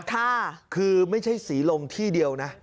ค่ะคือไม่ใช่ศรีลมที่เดียวนะ